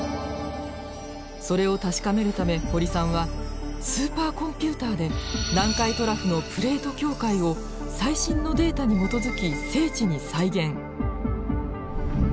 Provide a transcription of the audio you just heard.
それを確かめるため堀さんはスーパーコンピューターで南海トラフのプレート境界を最新のデータに基づき精緻に再現。